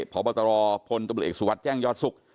พบตรพลตำรวจเอกสุวัสดิ์แจ้งยอดสุข